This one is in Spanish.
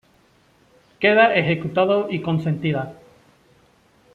Queda ejecutado y consentida.